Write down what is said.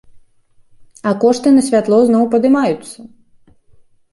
А кошты на святло зноў падымаюцца!